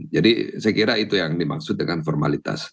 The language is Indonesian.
jadi saya kira itu yang dimaksud dengan formalitas